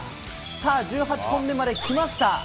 さあ、１８本目まで来ました。